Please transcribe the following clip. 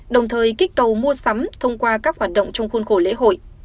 đồng thời kích cầu mua sắm thông qua các hoạt động trong khuôn khổ lễ hội